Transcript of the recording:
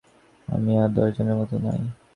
আমি আর দশ জনের মতো নাই।